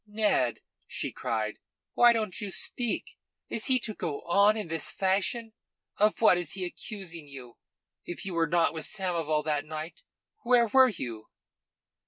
"Ned!" she cried. "Why don't you speak? Is he to go on in this fashion? Of what is he accusing you? If you were not with Samoval that night, where were you?"